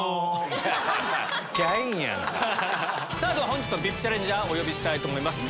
本日のＶＩＰチャレンジャーお呼びしたいと思います。